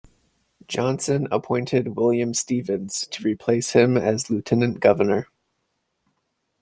Johnson appointed William Stephens to replace him as lieutenant governor.